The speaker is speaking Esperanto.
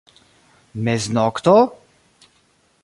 Meznokto?